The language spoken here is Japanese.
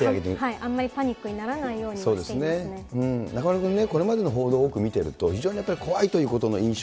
あんまりパニックにならない中丸君ね、これまでの報道を見ていると、非常にやっぱり怖いということの印象